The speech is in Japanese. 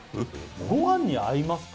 ご飯に合いますか？